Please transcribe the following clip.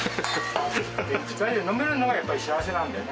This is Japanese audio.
２人で飲めるのがやっぱり幸せなんだよね。